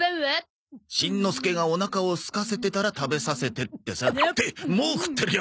「しんのすけがおなかをすかせてたら食べさせて」ってさ。ってもう食ってるよ。